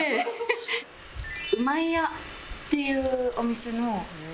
うまい屋っていうお店のたこ焼き。